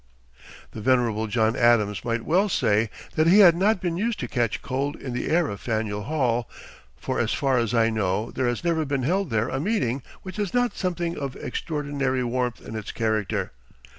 The venerable John Adams might well say that he had not been used to catch cold in the air of Faneuil Hall, for as far as I know there has never been held there a meeting which has not something of extraordinary warmth in its character.